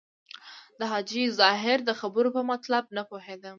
د حاجي ظاهر د خبرو په مطلب نه پوهېدم.